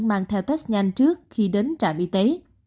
mang theo test nhanh trước khi đến trạm y tế